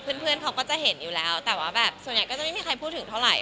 เพื่อนเขาก็จะเห็นอยู่แล้วแต่ว่าแบบส่วนใหญ่ก็จะไม่มีใครพูดถึงเท่าไหร่